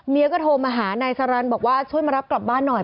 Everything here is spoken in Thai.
ก็โทรมาหานายสารันบอกว่าช่วยมารับกลับบ้านหน่อย